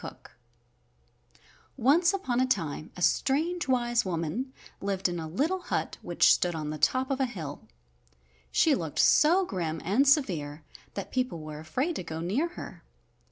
COOKE Once upon a time a strange, wise woman lived in a little hut which stood on the top of a hill. She looked so grim and severe that people were afraid to go near her.